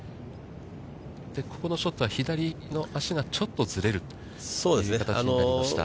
ここのショットは左の足がちょっとずれるという形になりました。